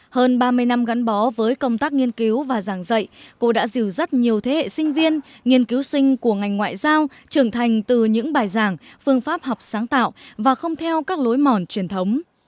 hơn ba mươi năm gắn bó với công tác nghiên cứu và giảng dạy cô đã dìu dắt nhiều thế hệ sinh viên nghiên cứu sinh của ngành ngoại giao trưởng thành từ những bài giảng phương pháp học sáng tạo và không theo các lối mòn truyền thống